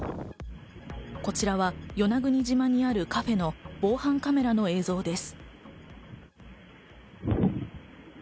こちらは与那国島にあるカフェの防犯カメラの映像です。